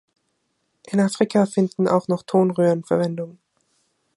In Afrika finden auch noch Tonröhren Verwendung.